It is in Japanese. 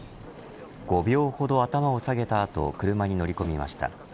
５秒ほど頭を下げた後車に乗り込みました。